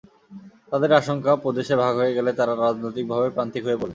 তাদের আশঙ্কা, প্রদেশে ভাগ হয়ে গেলে তারা রাজনৈতিকভাবে প্রান্তিক হয়ে পড়বে।